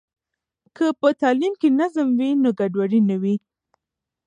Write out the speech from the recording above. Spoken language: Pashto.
که په تعلیم کې نظم وي، نو ګډوډي نه وي.